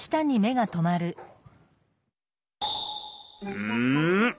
うん！？